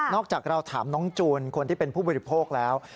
จากเราถามน้องจูนคนที่เป็นผู้บริโภคแล้ว